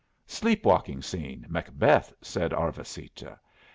"Sleep walking scene, 'Macbeth,'" said Arvasita.